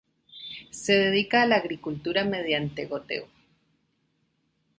Se dedica a la agricultura mediante goteo.